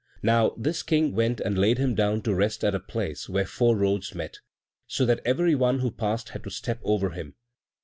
Now this King went and laid him down to rest at a place where four roads met, so that every one who passed had to step over him.